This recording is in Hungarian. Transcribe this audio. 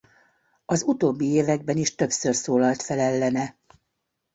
Az utóbbi években is többször szólalt fel ellene.